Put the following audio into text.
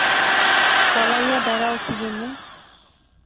পলাইয়া বেড়াও কী জন্য।